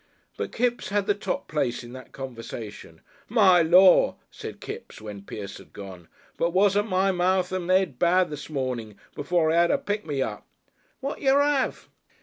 But Kipps had the top place in that conversation. "My Lor'!" said Kipps, when Pierce had gone, "but wasn't my mouth and 'ed bad this morning before I 'ad a pick me up!" "Whad jer 'ave?"